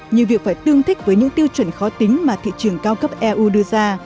như việc phải tương thích với những tiêu chuẩn khó tính mà thị trường cao cấp eu đưa ra